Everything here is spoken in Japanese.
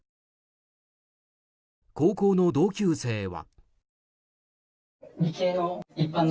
高校の同級生は。